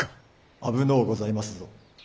危のうございますぞ。